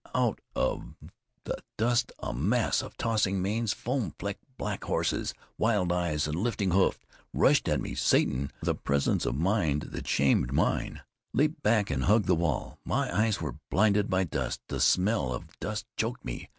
Out of the dust a mass of tossing manes, foam flecked black horses, wild eyes and lifting hoofs rushed at me. Satan, with a presence of mind that shamed mine, leaped back and hugged the wall. My eyes were blinded by dust; the smell of dust choked me.